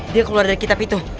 dia keluar dari kitab